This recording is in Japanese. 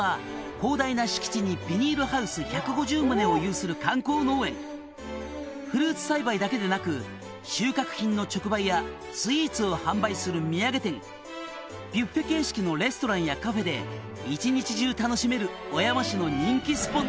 「ここ」「観光農園」「フルーツ栽培だけでなく収穫品の直売やスイーツを販売する土産店ビュッフェ形式のレストランやカフェで一日中楽しめる」